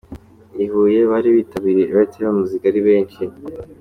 i Huye bari bitabiriye Airtel Muzika ari benshi.